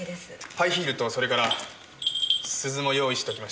ハイヒールとそれから鈴も用意しときました。